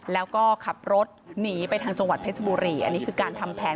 แล้วก็ขับรถหนีไปทางจังหวัดเพชรบุรีอันนี้คือการทำแผน